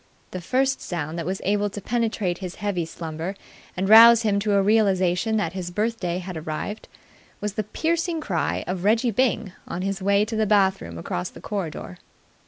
The first sound that was able to penetrate his heavy slumber and rouse him to a realization that his birthday had arrived was the piercing cry of Reggie Byng on his way to the bath room across the corridor.